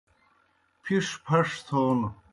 پِھش پَھش تھون